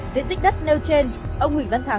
diện tích đất nêu trên